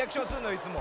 いつも。